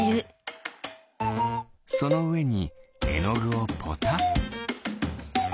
そのうえにえのぐをポタ。